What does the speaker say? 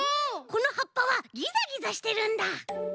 このはっぱはギザギザしてるんだ！